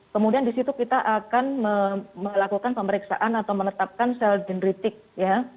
kemudian disitu kita akan melakukan pemeriksaan atau menetapkan sel dendritik ya